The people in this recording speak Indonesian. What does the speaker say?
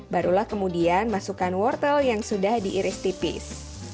barulah kemudian masukkan wortel yang sudah diiris tipis